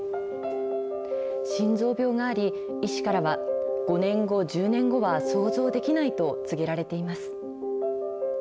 心臓病があり、医師からは５年後、１０年後は想像できないと告げられています。